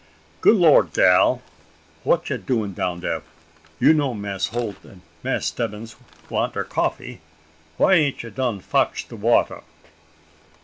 "Good lor, gal! wha you doin' down da? You know Mass' Holt an' Mass' Stebbins want dar coffee? Why ain't you done fotch de water?"